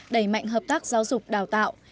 đẩy mạnh hợp tác giáo dục đào tạo